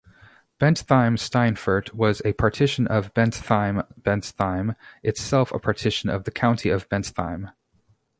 Bentheim-Steinfurt was a partition of Bentheim-Bentheim, itself a partition of the County of Bentheim.